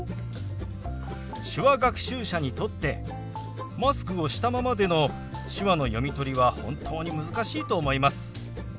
手話学習者にとってマスクをしたままでの手話の読み取りは本当に難しいと思います。